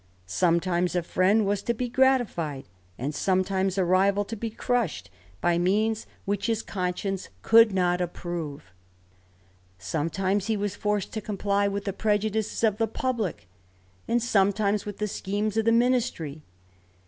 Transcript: Sometimes a friend was to be gratified, and sometimes a rival to be crushed, by means which his THE RAMBLER 89 conscience could not approve. Sometimes he was forced to comply with the prejudices of the publick, and sometimes with the schemes of the ministry.